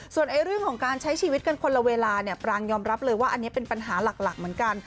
ส่วนเรื่องของการใช้ชีวิตกันคนละเวลาเนี่ยปรางยอมรับเลยว่าอันนี้เป็นปัญหาหลักเหมือนกัน